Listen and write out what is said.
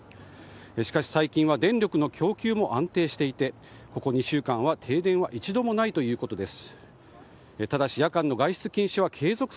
しかし最近は電力の供給も安定していてここ２週間は停電は一度もないということです。